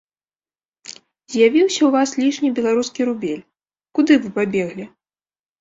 З'явіўся ў вас лішні беларускі рубель, куды вы пабеглі?